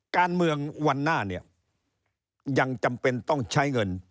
การเมืองวันหน้าเนี่ยยังจำเป็นต้องใช้เงิน